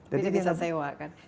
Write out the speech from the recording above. jadi bisa sewa kan